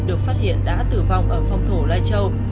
được phát hiện đã tử vong ở phòng thủ lai châu